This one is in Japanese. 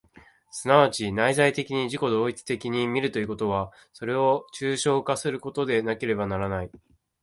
即ち内在的に自己同一的に見るということは、それを抽象化することでなければならない。